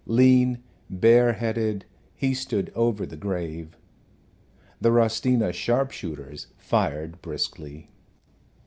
Lean, bareheaded, he stood over the grave. The Rostina sharpshooters fired briskly.